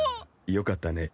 よかったね。